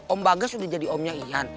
om bagas udah jadi omnya iyan